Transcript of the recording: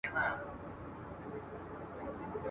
زه مي د عُمر د خزان له څانګي ورژېدم ..